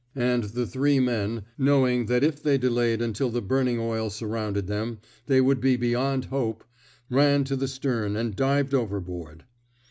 '' And the three men — knowing that if they delayed until the burning oil sur rounded them, they would be beyond hope — ran to the stern and dived overboard.